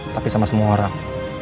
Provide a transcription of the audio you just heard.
tapi sama semua orang